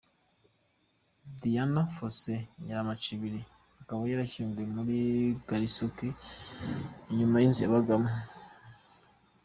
Dian Fossey Nyiramacibiri akaba yarashyinguwe muri Kalisoke inyuma y’inzu yabagamo.